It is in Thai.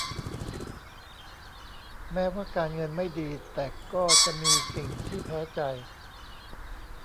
แม้ว่าการเงินไม่ดีแต่ก็จะมีสิ่งที่แพ้ใจ